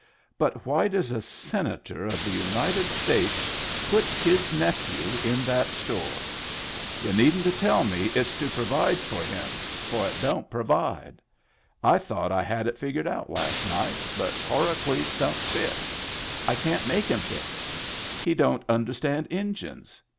But why does a senator of the United States put his nephew in that store ? Y'u needn't to tell me it's to provide for Digitized by Google 32 MEMBERS OF THE FAMILY him, for it don't provide. I thought I had it figured out last night, but Horacles don't fit. I can't make him fit. He don't understand Injuns.